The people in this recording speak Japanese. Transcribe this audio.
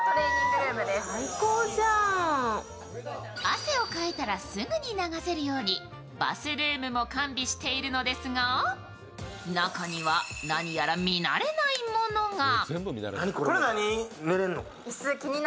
汗をかいたらすぐに流せるようにバスルームも完備しているのですが中には、何やら見慣れないものが。